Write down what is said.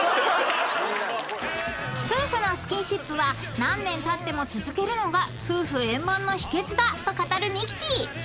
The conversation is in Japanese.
［夫婦のスキンシップは何年たっても続けるのが夫婦円満の秘訣だと語るミキティ］